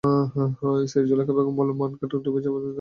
স্ত্রী জুলেখা বেগম বললেন, মাঠঘাট ডুবে যাওয়ায় তাঁর স্বামী এখন বেকার।